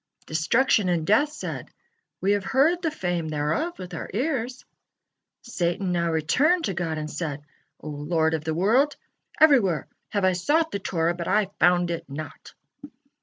Destruction and death said: "We have heard the fame thereof with our ears." Satan now returned to God and said: "O Lord of the world! Everywhere have I sought the Torah, but I found it not."